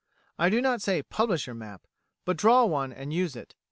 I do not say publish your map, but draw one and use it.